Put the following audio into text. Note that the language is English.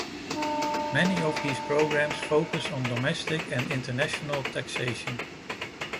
Many of these programs focus on domestic and international taxation.